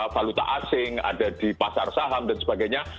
valuta asing ada di pasar saham dan sebagainya